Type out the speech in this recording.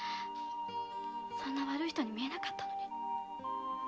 そんな悪い人に見えなかったのに。